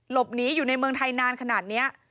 หลบหนีอยู่ในเมืองไทยนานขนาดนี้